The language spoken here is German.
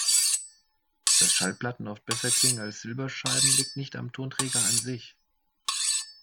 Dass Schallplatten oft besser klingen als Silberscheiben, liegt nicht am Tonträger an sich.